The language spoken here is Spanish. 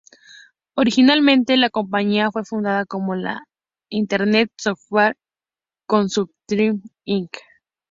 Originalmente, la compañía fue fundada como la Internet Software Consortium, Inc.